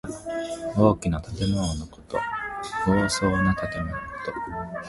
大きな建物のこと。豪壮な建物のこと。